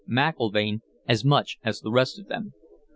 McIlvaine as much as the rest of them.